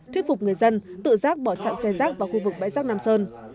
thuyết phục người dân tự rác bỏ chặn xe rác vào khu vực bãi rác nam sơn